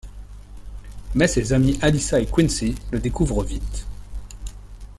Mais ses amis, Alyssa et Quincy le découvre vite.